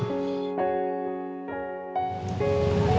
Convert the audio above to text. aku mau ambil bayi itu